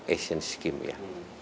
asian scheme ya